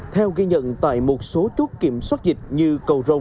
theo ghi nhận tại một số chốt kiểm soát dịch như cầu rồng